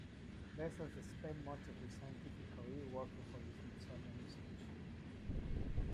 Bessels spent much of his scientific career working for the Smithsonian Institution.